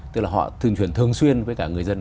tức là họ tuyên truyền thường xuyên với cả người dân